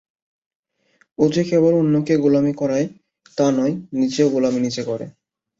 ও যে কেবল অন্যকে গোলামি করায় তা নয়, নিজের গোলামি নিজে করে।